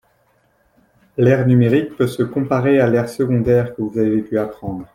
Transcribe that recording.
L'aire numérique peut se comparer à l'aire secondaire que vous avez pu apprendre